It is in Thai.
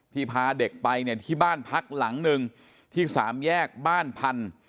พาเด็กไปเนี่ยที่บ้านพักหลังหนึ่งที่สามแยกบ้านพันธุ์